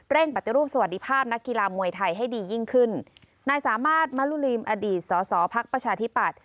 ปฏิรูปสวัสดิภาพนักกีฬามวยไทยให้ดียิ่งขึ้นนายสามารถมะลุลีมอดีตสอสอพักประชาธิปัตย